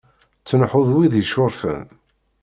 Tnehhuḍ win yeccurfen.